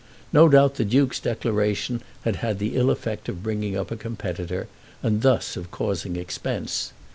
No doubt the Duke's declaration had had the ill effect of bringing up a competitor, and thus of causing expense.